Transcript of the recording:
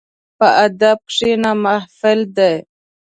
په ادب کښېنه، محفل دی.